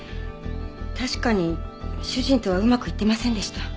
確かに主人とはうまくいってませんでした。